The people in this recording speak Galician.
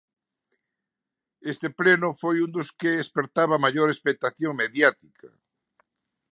Este pleno foi un dos que espertaba maior expectación mediática.